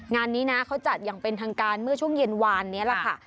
งานนี้นะเขาจัดอย่างเป็นทางการเมื่อช่วงเย็นวานนี้แหละค่ะ